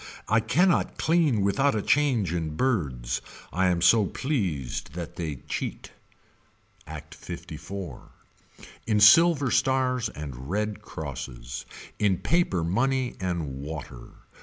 I cannot clean without a change in birds. I am so pleased that they cheat. Act 54. In silver stars and red crosses. In paper money and water.